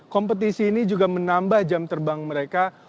kompetisi ini juga menambah jam terbang mereka